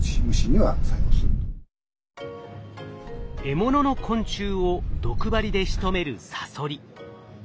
獲物の昆虫を毒針でしとめるサソリ。